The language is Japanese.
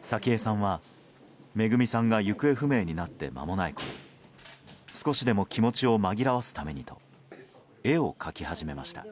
早紀江さんはめぐみさんが行方不明になって間もないころ少しでも気持ちを紛らわすためにと絵を描き始めました。